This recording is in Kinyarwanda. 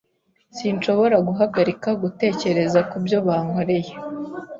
Sinshobora guhagarika gutekereza kubyo bankoreye.